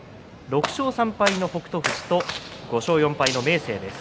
６勝３敗の北勝富士と５勝４敗の明生です。